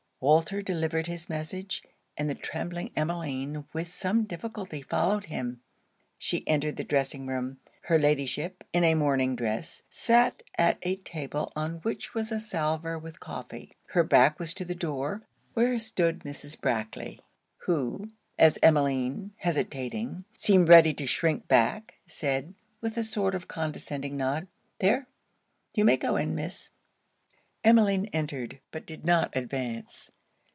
Walter delivered his message; and the trembling Emmeline with some difficulty followed him. She entered the dressing room. Her Ladyship, in a morning dress, sat at a table, on which was a salver with coffee. Her back was to the door, where stood Mrs. Brackley; who, as Emmeline, hesitating, seemed ready to shrink back, said, with a sort of condescending nod, 'There, you may go in, Miss.' Emmeline entered; but did not advance.